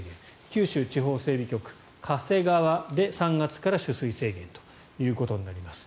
九州地方整備局、嘉瀬川で３月から取水制限となります。